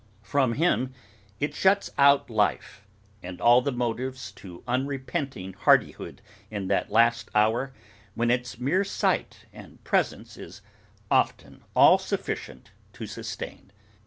From him it shuts out life, and all the motives to unrepenting hardihood in that last hour, which its mere sight and presence is often all sufficient to sustain.